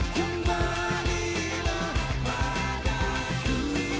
jangan hilang padaku